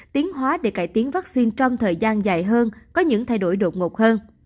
tiến hóa để cải tiến vaccine trong thời gian dài hơn có những thay đổi đột ngột hơn